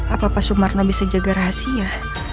apa pak sumarna bisa jaga rahasia